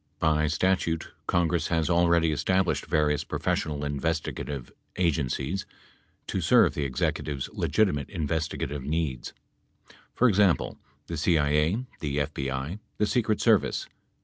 By statute Congress has already established various professional investigative agencies to serve the Executive's legitimate investiga tive needs ; for example, the CIA, the FBI, the Secret Service.